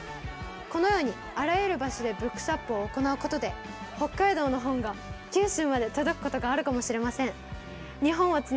このようにあらゆる場所でＢｏｏｋｓｗａｐを行うことで北海道の本が九州まで届くことがあるかもしれません。